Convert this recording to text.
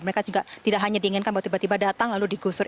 mereka juga tidak hanya diinginkan bahwa tiba tiba datang lalu digusur